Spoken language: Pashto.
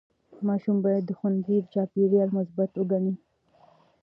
ماشوم باید د ښوونځي چاپېریال مثبت وګڼي.